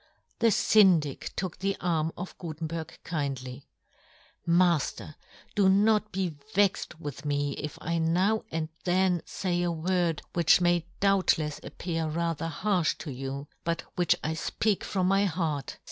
The Syndic took the arm of Gu tenberg kindly. " Mafter, do not " be vexed with me if I now and " then fay a word which may doubt " lefs appear rather harfh to you, " but which I fpeak from my heart.